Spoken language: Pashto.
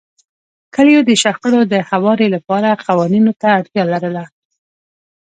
کلیو د شخړو د هواري لپاره قوانینو ته اړتیا لرله.